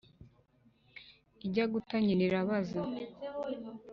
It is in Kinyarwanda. Ijya guta nyina irabaza